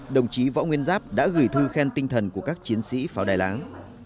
đồng chí võ nguyên giáp đã gửi thư khen tinh thần của các chiến sĩ vào đài láng